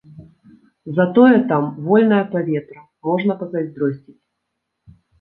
Затое там вольнае паветра, можна пазайздросціць.